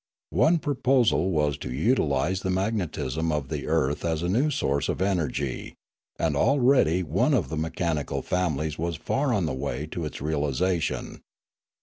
One proposal was to utilise the magnetism of the earth as a new source of energy, and already one of the mechanical families was far on the way to its realisation.